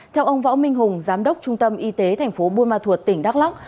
theo ông võ minh hùng giám đốc trung tâm y tế tp buôn ma thuột tỉnh đắk lắc